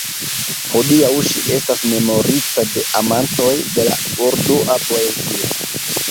Hodiaŭ ŝi estas memorita de amantoj de la urdua poezio.